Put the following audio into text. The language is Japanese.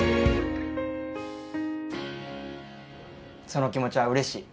その気持ちはうれしい。